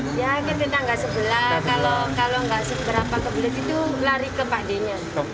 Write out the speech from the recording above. ya kita nggak sebelah kalau nggak seberapa kebelet itu lari ke pak d nya